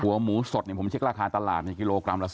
หัวหมูสดเนี่ยผมเช็คราคาตลาดในกิโลกรัมละ๔๐๐